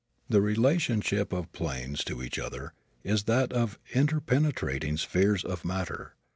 The relationship of the planes to each other is that of interpenetrating spheres of matter.